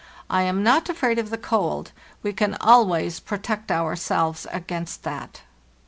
Iam not afraid of the cold; we can always protect ourselves against that.